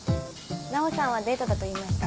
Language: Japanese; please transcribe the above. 奈央さんはデートだと言いました